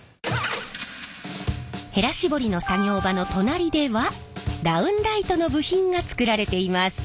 へら絞りの作業場の隣ではダウンライトの部品が作られています。